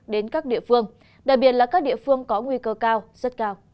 đến các địa phương đặc biệt là các địa phương có nguy cơ cao rất cao